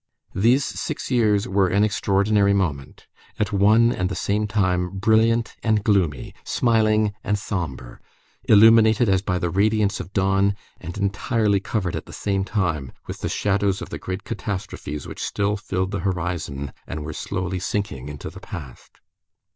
These six years were an extraordinary moment; at one and the same time brilliant and gloomy, smiling and sombre, illuminated as by the radiance of dawn and entirely covered, at the same time, with the shadows of the great catastrophes which still filled the horizon and were slowly sinking into the past.